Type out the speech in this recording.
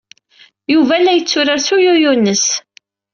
Yuba la yetturar s uyuyu-nnes.